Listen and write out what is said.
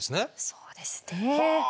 そうですね。はあ。